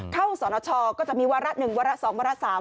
เข้าสนชก็จะมีวาระหนึ่งวาระสองวาระสาม